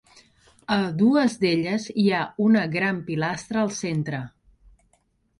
A dues d'elles hi ha una gran pilastra al centre.